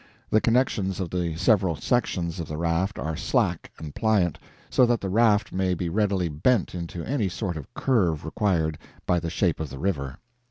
The connections of the several sections of the raft are slack and pliant, so that the raft may be readily bent into any sort of curve required by the shape of the river.